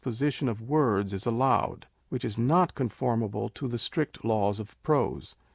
position of words is allowed, which is not conformable to the strict laws of prose.